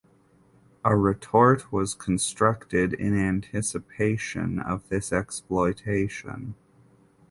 A retort was constructed in anticipation of this exploitation.